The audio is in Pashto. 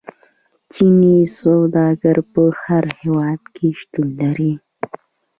چیني سوداګر په هر هیواد کې شتون لري.